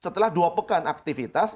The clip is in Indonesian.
setelah dua pekan aktivitas